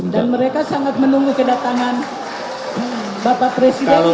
dan mereka sangat menunggu kedatangan bapak presiden